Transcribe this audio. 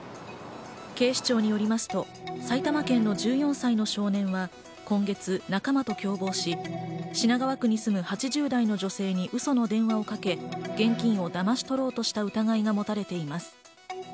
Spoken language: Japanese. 警視庁によりますと埼玉県の１４歳の少年は今月、仲間と共謀し、品川区に住む８０代の女性にウソの電話をかけ、現金をだまし取ろうとした疑いが持たれています。